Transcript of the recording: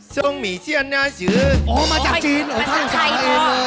เจียร์ได้แล้ว